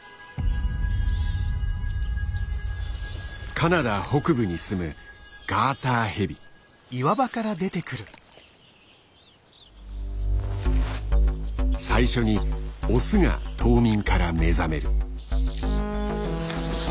カナダ北部にすむ最初にオスが冬眠から目覚める。